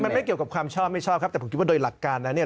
มันไม่เกี่ยวกับความชอบไม่ชอบครับแต่ผมคิดว่าโดยหลักการแล้วเนี่ย